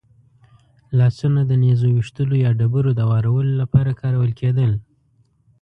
لاسونه د نېزو ویشتلو یا ډبرو د وارولو لپاره کارول کېدل.